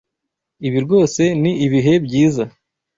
Ibi rwose ni ibihe byiza.